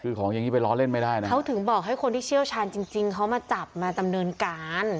คือของอย่างนี้ไปล้อเล่นไม่ได้นะเขาถึงบอกให้คนที่เชี่ยวชาญจริงจริงเขามาจับมาดำเนินการ